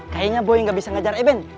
kayaknya boy gak bisa ngajar eben